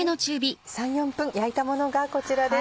３４分焼いたものがこちらです。